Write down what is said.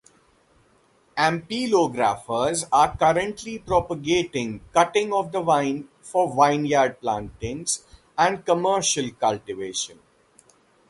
Ampelographers are currently propagating cuttings of the vine for vineyard plantings and commercial cultivation.